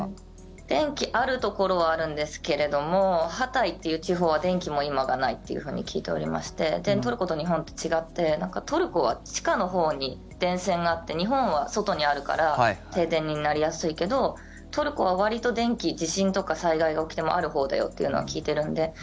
電気あるところはあるんですけれどもハタイっていう地方は電気もいまだないっていうふうに聞いておりましてトルコと日本って違ってトルコは地下のほうに電線があって日本は外にあるから停電になりやすいけどトルコはわりと電気地震とか災害が起きてもあるほうだよっていうのは聞いてるんで。